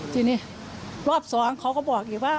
ทีนี้รอบสองเขาก็บอกอีกว่า